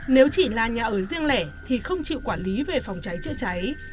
nếu chỉ là nhà ở riêng lẻ thì không chịu quản lý về phòng cháy chữa cháy